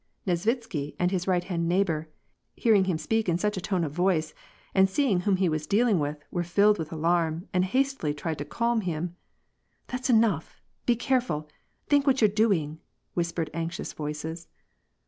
Nesvitsky and his right hand neighbor, hearing him speak in such a tone of voice, and seeing whom he was dealing with, were filled with alarm and hastily tried to calm him. "That's enough!"— "Be careful! Think what you're doing !" whispered anxious voices.